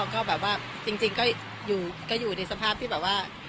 ก็แบบว่าจริงก็อยู่ในสภาพที่แบบว่า